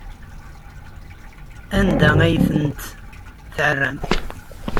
Anda ay tent-tɛerram?